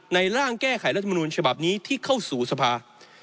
ร่างแก้ไขรัฐมนุนฉบับนี้ที่เข้าสู่สภา